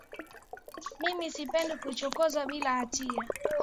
Mimi sipendi kuchokozwa bila hatia